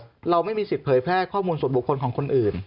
เราไม่มีสิทธิเผยแพร่ข้อมูลส่วนบุคคลของคนอื่น